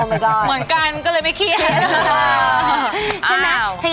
แม่บ้านประจันบัน